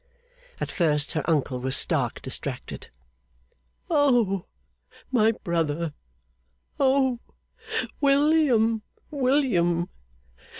At first her uncle was stark distracted. 'O my brother! O William, William!